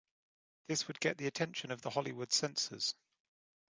This would get the attention of the Hollywood censors.